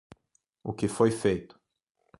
O que foi feito